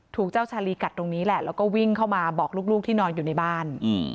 ถูกเจ้าชาลีกัดตรงนี้แหละแล้วก็วิ่งเข้ามาบอกลูกที่นอนอยู่ในบ้าน